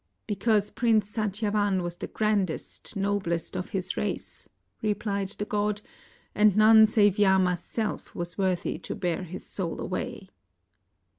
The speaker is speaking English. "Because Prince Satyavan was the grandest, noblest of his race," replied the god, "and none save Yama's self was worthy to bear his soul away."